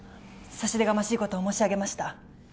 差し出がましいことを申し上げました